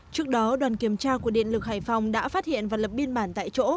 trước đó đoàn kiểm tra của điện lực hải phòng đã phát hiện và lập biên bản tại chỗ